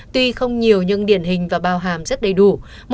tuy không nhiều nhưng điển hình và bao hàm rất đầy đủ